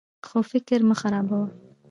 خو فکر مه خرابوه.